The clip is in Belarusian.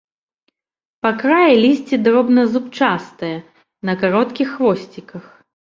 Па краі лісце дробназубчастае, на кароткіх хвосціках.